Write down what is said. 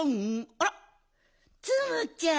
あらツムちゃん